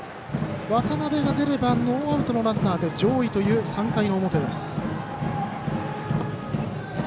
渡辺が出ればノーアウトのランナーで上位という３回の表。